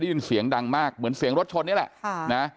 ได้ยินเสียงดังมากเหมือนเสียงรถชนนี่แหละ